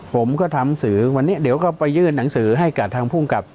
ผมก็ทำสื่อวันนี้เดี๋ยวก็ไปยื่นหนังสือให้กับทางภูมิกับ